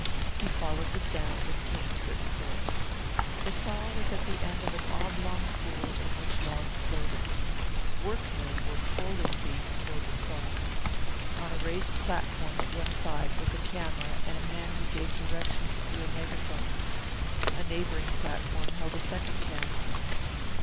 He followed the sound and came to its source. The saw was at the end of an oblong pool in which logs floated. Workmen were poling these toward the saw. On a raised platform at one side was a camera and a man who gave directions through a megaphone; a neighbouring platform held a second camera.